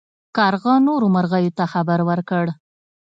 کارغه نورو مرغیو ته خبر ورکړ.